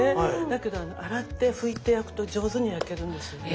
だけど洗って拭いて焼くと上手に焼けるんですよね。